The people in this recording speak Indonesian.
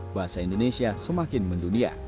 bahasa indonesia semakin mendunia